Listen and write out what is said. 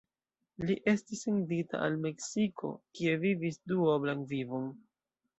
Li estis sendita al Meksiko, kie vivis duoblan vivon.